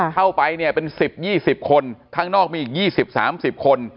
เข้าไปเนี่ยเป็น๑๐๒๐คนข้างนอกมีอีก๒๐๓๐คน